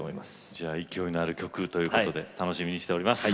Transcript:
じゃあ勢いのある曲ということで楽しみにしております。